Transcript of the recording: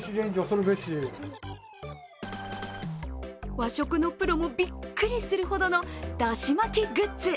和食のプロもびっくりするほどのだし巻きグッズ。